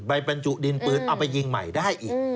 บรรจุดินปืนเอาไปยิงใหม่ได้อีก